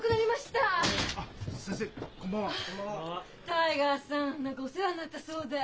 タイガーさん何かお世話になったそうで。